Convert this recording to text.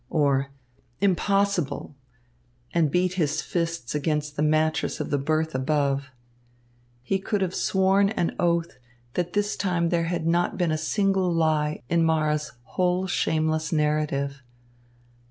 or "Impossible!" and beat his fists against the mattress of the berth above. He could have sworn an oath that this time there had not been a single lie in Mara's whole shameless narrative.